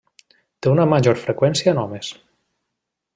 Té una major freqüència en homes.